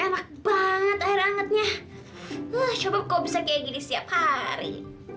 enak banget air hangatnya coba kok bisa kayak gini setiap hari